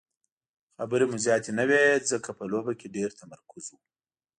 خبرې مو زیاتې نه وې ځکه په لوبه کې ډېر تمرکز وو.